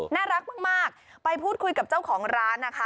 น่ารักมากไปพูดคุยกับเจ้าของร้านนะคะ